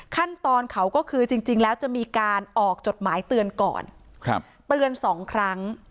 ขั้นตอนเขาก็คือจริงแล้วจะมีการออกจดหมายเตือนก่อนเตือนสองครั้ง